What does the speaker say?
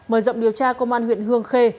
mở rộng điều tra công an huyện hương khê